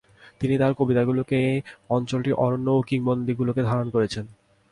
তিনি তাঁর কবিতাগুলিতে এই অঞ্চলটির অরণ্য ও কিংবদন্তীগুলিকে ধারণ করেছেন।